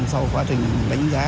sau quá trình đánh giá